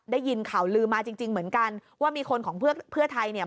ได้ยินข่าวลือมาจริงจริงเหมือนกันว่ามีคนของเพื่อไทยเนี่ย